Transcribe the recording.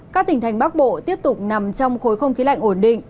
các tỉnh thành bắc bộ tiếp tục nằm trong khối không khí lạnh ổn định